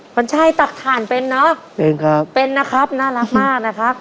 มันใช่ตักฐานเป็นเนอะเป็นครับเป็นนะครับน่ารักมากนะครับ